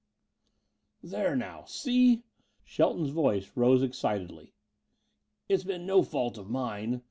"There now see?" Shelton's voice rose excitedly. "It's been no fault of mine.